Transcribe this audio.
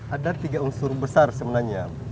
ada tiga unsur besar sebenarnya